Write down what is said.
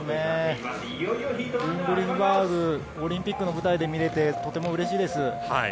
ルーン・グリフバーグをオリンピックの舞台で見られて、とてもうれしいです。